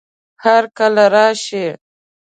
هرکله راشئ!